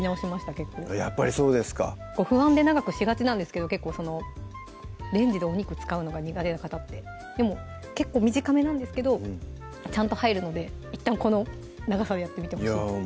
結構やっぱりそうですか不安で長くしがちなんですけどレンジでお肉使うのが苦手な方ってでも結構短めなんですけどちゃんと入るのでいったんこの長さでやってみてほしいですいや